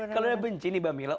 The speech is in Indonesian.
kalo udah benci nih mbak mila